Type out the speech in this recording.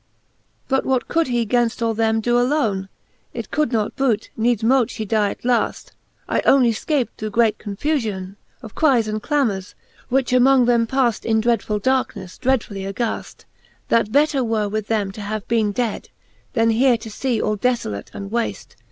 XXXII. But what could he gainft all them doe alone ? It could not boot ; needs mote ihe die at laft : I onely fcapt through great confufione ) Of cryes and clamors, which among them paft, In dreadful! darkneffe dreadfully aghaft ;^ That better were with them to have bene dead, v Then here to fee all defolate and waft, !